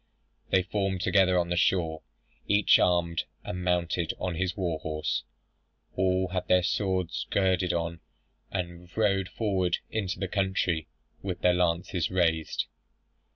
They formed together on the shore, each armed, and mounted on his war horse: all had their swords girded on, and rode forward into the country with their lances raised.